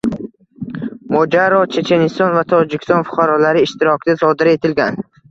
Mojaro Checheniston va Tojikiston fuqarolari ishtirokida sodir etilgan